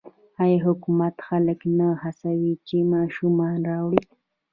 آیا حکومت خلک نه هڅوي چې ماشومان راوړي؟